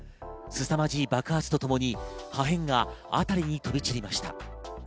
すさまじい爆発とともに破片が辺りに飛び散りました。